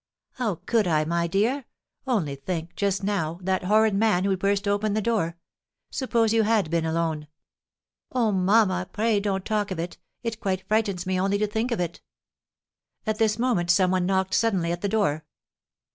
"How could I, my dear? Only think, just now, that horrid man who burst open the door! Suppose you had been alone?" "Oh, mamma, pray don't talk of it; it quite frightens me only to think of it." At this moment some one knocked suddenly at the door.